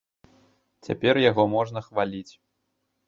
Цяпер яго можна хваліць.